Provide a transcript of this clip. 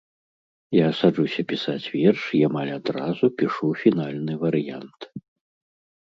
Я саджуся пісаць верш і амаль адразу пішу фінальны варыянт.